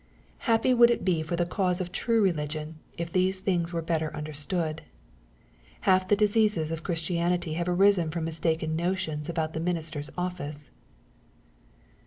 Happy would it be for the cause of true reh'gion, if these things were better understood I Half the diseases of Chris tianity have arisen from mistaken notions about the minister's office.